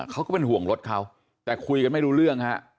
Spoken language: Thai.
เขาก็เป็นห่วงรถเขาแต่คุยกันไม่รู้เรื่องฮะ